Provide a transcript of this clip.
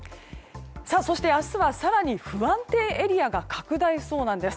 そして明日は更に不安定エリアが拡大しそうなんです。